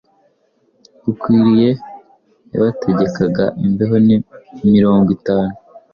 bukwiriye yabategekaga imbeho mirongo itanu